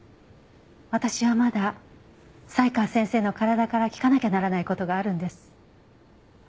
私はまだ才川先生の体から聞かなきゃならない事があるんです。